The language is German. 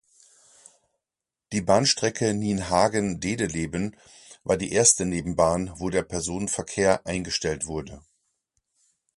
Die Bahnstrecke Nienhagen–Dedeleben war die erste Nebenbahn, wo der Personenverkehr eingestellt wurde.